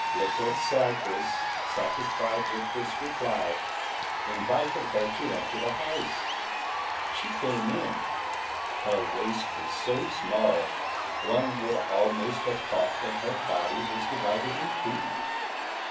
Little cypress, satisfied with this reply, invited her to enter the house. She came in; her waist was so small, one would almost have thought that her body was divided in two.